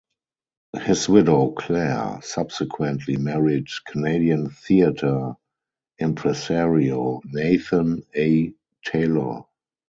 His widow, Claire, subsequently married Canadian theatre impresario Nathan A. Taylor.